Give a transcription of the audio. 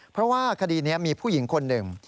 เพราะว่าคดีนี้มีผู้หญิงคนหนึ่ง